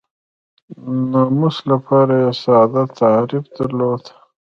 ناموس لپاره یې ساده تعریف درلود.